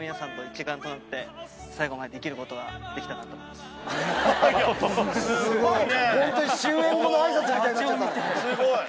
すごいね！